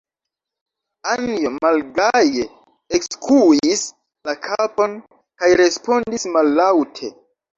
Anjo malgaje ekskuis la kapon kaj respondis mallaŭte: